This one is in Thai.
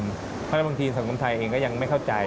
เพราะฉะนั้นบางทีสังคมไทยเองก็ยังไม่เข้าใจ